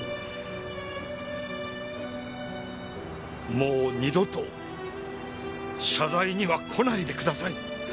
もう二度と謝罪には来ないでください。